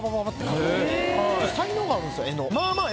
才能があるんすよ絵の。